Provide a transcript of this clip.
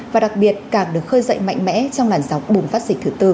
và đặc biệt càng được khơi dậy mạnh mẽ trong làn dòng bùng